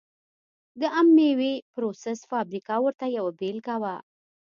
د عم مېوې پروسس فابریکه ورته یوه بېلګه وه.